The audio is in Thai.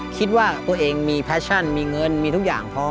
คิดว่าตัวเองมีแฟชั่นมีเงินมีทุกอย่างพร้อม